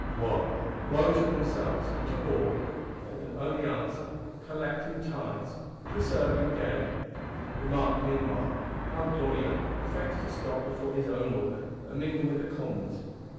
Wo, wo to themselves and to all, if they can only answer: Collecting tithes, Preserving game!—Remark, meanwhile, how D'Orléans affects to step before his own Order, and mingle with the Commons.